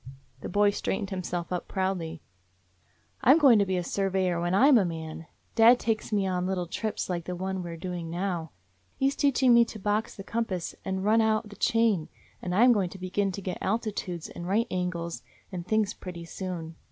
The boy straightened himself up proudly. "I 'm going to be a surveyor when 198 AN INDIAN DOG I ' m a man. Dad takes me on little trips like the one we 're doing now. He 's teaching me to box the compass and run out the chain, and I 'm going to begin to get altitudes and right angles and things pretty soon.